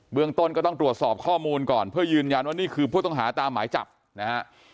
เมืองต้นก็ต้องตรวจสอบข้อมูลก่อนเพื่อยืนยันว่านี่คือผู้ต้องหาตามหมายจับนะฮะ